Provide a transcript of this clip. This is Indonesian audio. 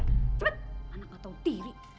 cepet anak matau diri